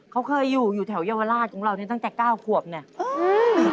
เขาเคยอยู่อยู่แถวเยาวราชของเราเนี่ยตั้งแต่เก้าขวบเนี่ยอืม